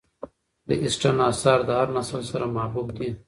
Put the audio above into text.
د اسټن آثار د هر نسل سره محبوب دي.